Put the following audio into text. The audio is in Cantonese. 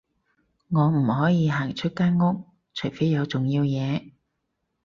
我唔可以行出間屋，除非有重要嘢